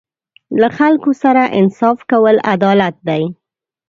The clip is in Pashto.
له خلکو سره انصاف کول عدالت دی.